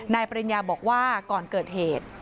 ปริญญาบอกว่าก่อนเกิดเหตุ